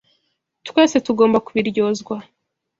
Twese tugomba kubiryozwa.